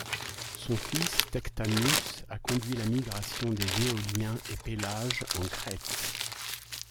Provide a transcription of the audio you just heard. Son fils, Tectamus, a conduit la migration des Éoliens et Pélasges en Crète.